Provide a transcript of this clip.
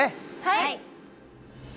はい！